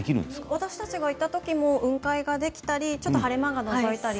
私たちが行った時も雲海ができたり、晴れ間がのぞいたり。